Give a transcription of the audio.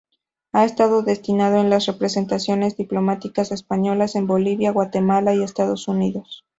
Ha estado destinado en las representaciones diplomáticas españolas en Bolivia, Guatemala y Estados Unidos.